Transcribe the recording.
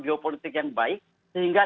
geopolitik yang baik sehingga